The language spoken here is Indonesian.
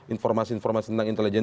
informasi informasi tentang intelijen